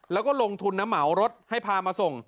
แล้วก็ลงทุนน้ำเหมารถให้พามาส่ง